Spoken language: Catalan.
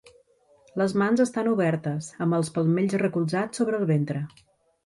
Les mans estan obertes, amb els palmells recolzats sobre el ventre.